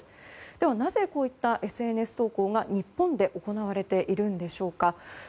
ではなぜ、このような投稿が日本で行われているんでしょうか。